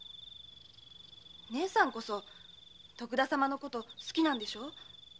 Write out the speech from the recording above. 姉さんこそ徳田様のこと好きなんでしょ？